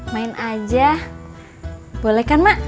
main aja boleh kan mak